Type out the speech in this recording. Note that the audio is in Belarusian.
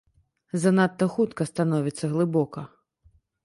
Занадта хутка становіцца глыбока.